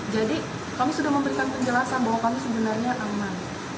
jadi kami sudah memberikan penjelasan bahwa kami sebenarnya aman